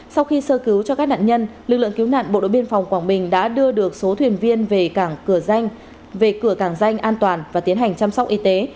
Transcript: sau khi sơ cứu cho các nạn nhân lực lượng cứu nạn bộ đội biên phòng quảng bình đã đưa được số thuyền viên về cửa càng danh an toàn và tiến hành chăm sóc y tế